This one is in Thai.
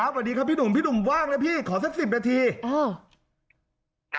สวัสดีครับพี่หนุ่มพี่หนุ่มว่างนะพี่ขอสักสิบนาที